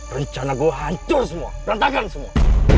rencana gue hancur semua berantakan semua